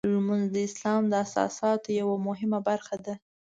لمونځ د اسلام د اساساتو یوه مهمه برخه ده.